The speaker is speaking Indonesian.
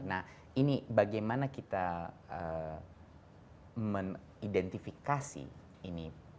nah ini bagaimana kita mengidentifikasi ini